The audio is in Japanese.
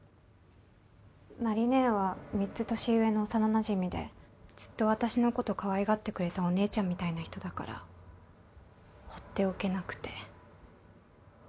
麻里姉は３つ年上の幼なじみでずっと私のことかわいがってくれたお姉ちゃんみたいな人だから放っておけなくて。